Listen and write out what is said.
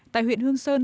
tại huyện hương sơn